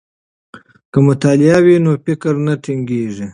که مطالع وي نو فکر نه تنګیږي.